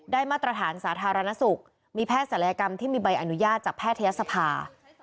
มาตรฐานสาธารณสุขมีแพทย์ศัลยกรรมที่มีใบอนุญาตจากแพทยศภา